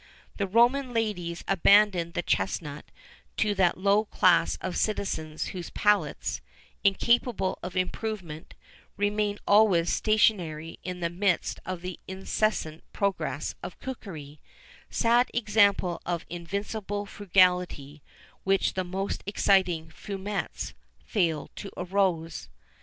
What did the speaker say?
The Roman ladies abandoned the chesnut to that low class of citizens whose palates, incapable of improvement, remain always stationary in the midst of the incessant progress of cookery; sad example of invincible frugality, which the most exciting fumets fail to arouse.